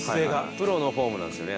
「プロのフォームなんですよね